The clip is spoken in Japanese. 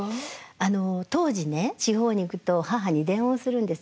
あの当時ね地方に行くと母に電話をするんです。